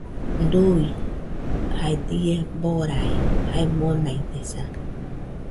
Dui jadie boraji jae monaidesa